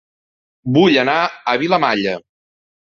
Vull anar a Vilamalla